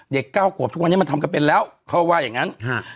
เก้าขวบทุกวันนี้มันทำกันเป็นแล้วเขาว่าอย่างงั้น